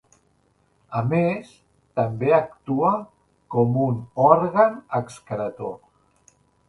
A més també actua com un òrgan excretor.